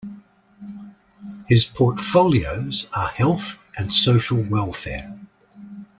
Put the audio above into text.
His portfolios are Health and Social welfare.